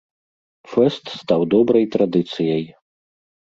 Фэст стаў добрай традыцыяй.